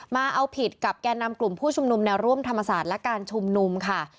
มาเอาผิดกับแก่นำกลุ่มผู้ชุมนุมแนวร่วมธรรมศาสตร์และการชุมนุมค่ะ